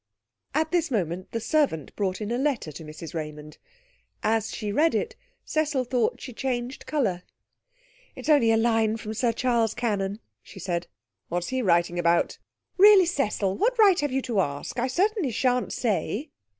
At this moment the servant brought in a letter to Mrs Raymond. As she read it, Cecil thought she changed colour. 'It's only a line from Sir Charles Cannon,' she said. 'What's he writing about?' 'Really, Cecil! What right have you to ask? I certainly shan't say.